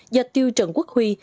do tiêu trận quốc huy